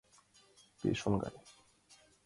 Пеш оҥай.